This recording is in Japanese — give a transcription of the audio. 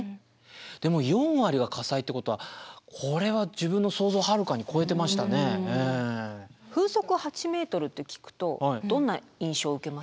でも４割が火災ってことはこれは風速８ｍって聞くとどんな印象を受けますか？